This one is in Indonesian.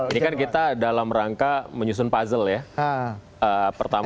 ini kan kita dalam rangka menyusun puzzle ya